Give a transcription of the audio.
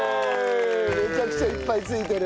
めちゃくちゃいっぱいついてる。